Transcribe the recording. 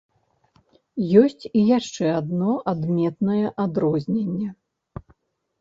Ёсць і яшчэ адно адметнае адрозненне.